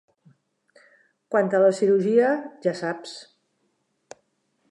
Quant a la cirurgia, ja saps.